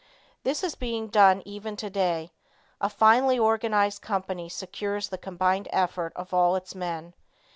This is being done even today. A finely organized company secures the combined effort of all its men.